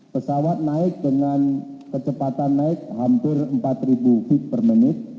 pesawat naik dengan kecepatan naik hampir empat feet per menit